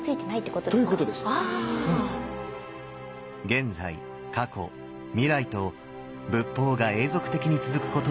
現在・過去・未来と仏法が永続的に続くことを意味する